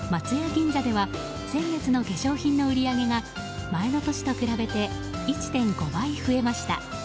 銀座では先月の化粧品の売り上げが前の年と比べて１．５倍増えました。